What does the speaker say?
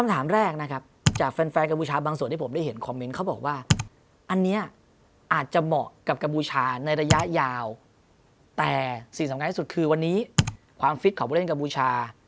แต่สิ่งสำคัญที่สุดคือวันนี้ความฟิตของผู้เล่นกับบูชา